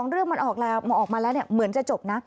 เรื่องมันออกมาแล้วเหมือนจะจบนะ